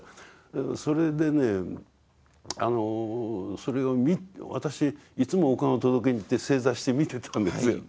それでね私いつもお棺を届けに行って正座して見てたんですよ。